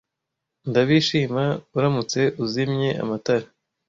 Ndabishima uramutse uzimye amatara.